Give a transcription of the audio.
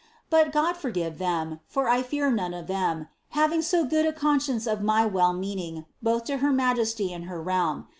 But GimI forgive •rrj ! for I fear none of them, having so good a con«cicnre of my well inonning V*ii to her majesty and her realm.